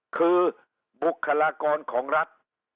คือบุคลากรของรัฐ